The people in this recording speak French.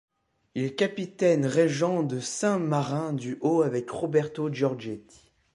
Il est capitaine-régent de Saint-Marin du au avec Roberto Giorgetti.